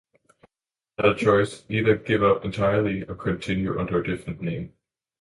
They had a choice: either give up entirely or continue under a different name.